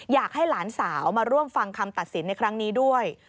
อยากให้หลานสาวมาร่วมฟังคำตัดสินในครั้งนี้ด้วย